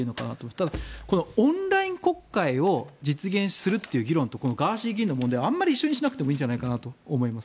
ただ、オンライン国会を実現するという議論とガーシー議員の問題をあまり一緒にしなくていいと思います。